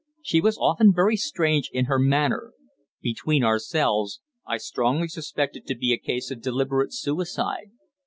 She was often very strange in her manner. Between ourselves, I strongly suspect it to be a case of deliberate suicide.